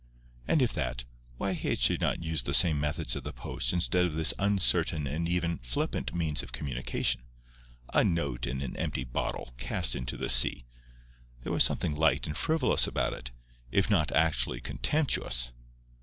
And if that, why had she not used the same methods of the post instead of this uncertain and even flippant means of communication? A note in an empty bottle, cast into the sea! There was something light and frivolous about it, if not actually contemptuous.